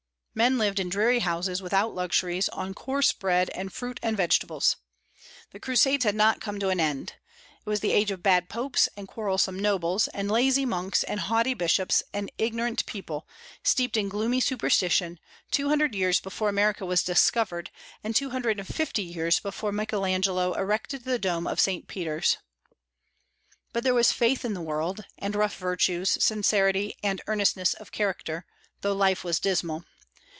Men lived in dreary houses, without luxuries, on coarse bread and fruit and vegetables. The crusades had not come to an end. It was the age of bad popes and quarrelsome nobles, and lazy monks and haughty bishops, and ignorant people, steeped in gloomy superstitions, two hundred years before America was discovered, and two hundred and fifty years before Michael Angelo erected the dome of St. Peter's. But there was faith in the world, and rough virtues, sincerity, and earnestness of character, though life was dismal.